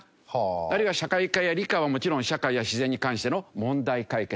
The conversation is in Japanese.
あるいは社会科や理科はもちろん社会や自然に関しての問題解決。